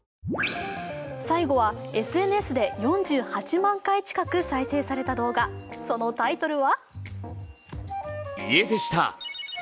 最後はＳＮＳで４８万回近く再生された動画、そのタイトルは。